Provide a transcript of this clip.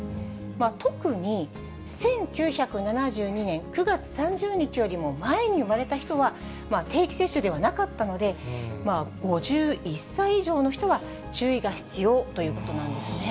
特に１９７２年９月３０日よりも前に生まれた人は定期接種ではなかったので、５１歳以上の人は注意が必要ということなんですね。